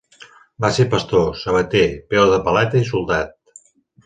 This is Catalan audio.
Va ser pastor, sabater, peó de paleta i soldat.